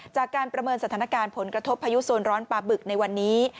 จากการประเมินสถานการณ์ผลกระทบพายุโซนร้อนปลาบึกในวันนี้